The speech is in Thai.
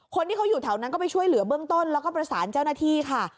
คนที่เขาอยู่แถวนั้นก็ไปช่วยเหลือเบื้องต้นแล้วก็ประสานเจ้าหน้าที่ค่ะ